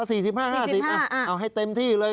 สี่สิบห้าห้าสิบสี่สิบห้าอ่ะอ่ะให้เต็มที่เลย